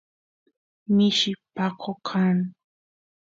mishi paqo kan